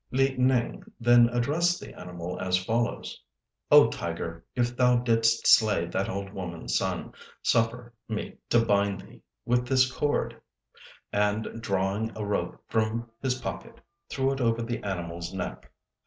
Li Nêng then addressed the animal as follows: "O tiger, if thou didst slay that old woman's son, suffer me to bind thee with this cord;" and, drawing a rope from his pocket, threw it over the animal's neck.